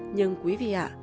nhưng quý vị ạ